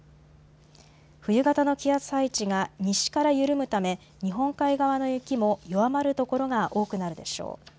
冬型の気圧配置が西から緩むため日本海側の雪も弱まる所が多くなるでしょう。